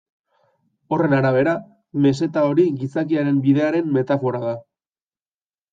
Horren arabera, meseta hori gizakiaren bidearen metafora da.